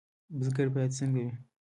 بزګر باید څنګه وي؟